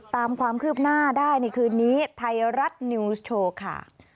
ตามความคืบหน้าได้ในคืนนี้ไทยรัฐนิวส์โชว์ค่ะ